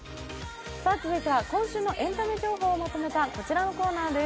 続いては今週のエンタメ情報をまとめた、こちらのコーナーです。